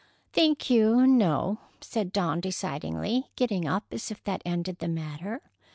"Thank you, no," said Dawn decidedly, getting up as if that ended the matter.